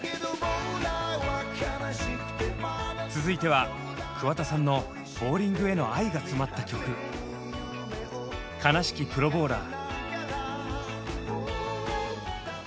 続いては桑田さんのボウリングへの愛が詰まった曲「悲しきプロボウラー」。